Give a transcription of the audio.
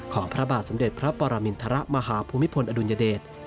ของพระบาทสำเด็จพระปรามิณฑระมหาภูมิพลอดุญเดช